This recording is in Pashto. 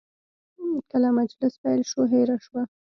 کله مجلس پیل شو، هیره شوه.